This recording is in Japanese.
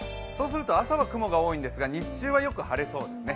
朝は雲が多いんですが、日中はよく晴れそうですね。